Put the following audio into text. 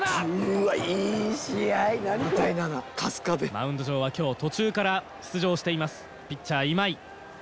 マウンド上は今日途中から出場していますピッチャー今井。